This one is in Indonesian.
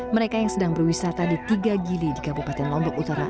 mereka yang sedang berwisata di tiga gili di kabupaten lombok utara